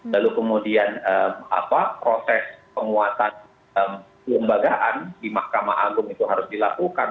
lalu kemudian proses penguatan kelembagaan di mahkamah agung itu harus dilakukan